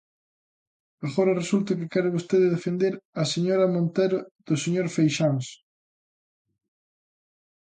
Agora resulta que quere vostede defender a señora Montero do señor Freixáns.